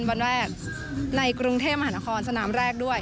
วันแรกในกรุงเทพมหานครสนามแรกด้วย